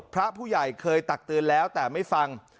พระผู้ใหญ่เคยตักเตือนแล้วแต่ไม่ฟัง